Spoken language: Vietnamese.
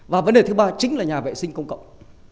và vấn đề thứ ba chính là nhà vệ sinh công cộng